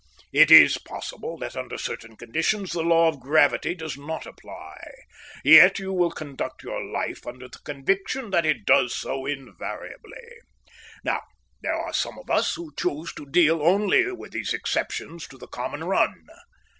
It is possible that under certain conditions the law of gravity does not apply, yet you will conduct your life under the conviction that it does so invariably. Now, there are some of us who choose to deal only with these exceptions to the common run.